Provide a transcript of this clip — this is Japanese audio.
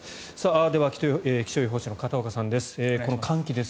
では気象予報士の片岡さんです。